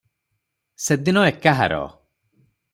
ସେଦିନ ଏକାହାର ।